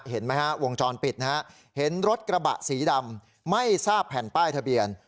เห็นไหมฮะวงจรปิดนะฮะเห็นรถกระบะสีดำไม่ทราบแผ่นป้ายทะเบียน